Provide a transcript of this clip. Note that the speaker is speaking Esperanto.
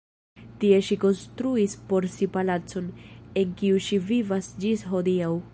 Tie ŝi konstruis por si palacon, en kiu ŝi vivas ĝis hodiaŭ.